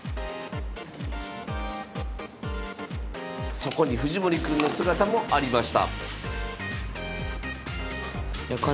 そこに藤森くんの姿もありました。